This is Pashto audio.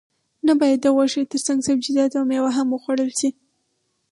نه باید د غوښې ترڅنګ سبزیجات او میوه هم وخوړل شي